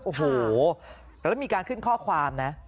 โอ้โหแล้วมีการขึ้นข้อความนะ